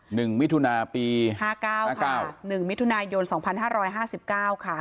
มิถุนาปีห้าเก้าค่ะหนึ่งมิถุนายนสองพันห้าร้อยห้าสิบเก้าค่ะ